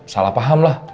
salah paham lah